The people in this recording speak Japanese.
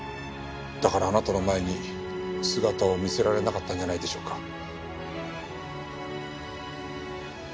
だからあなたの前に姿を見せられなかったんじゃないでしょうか？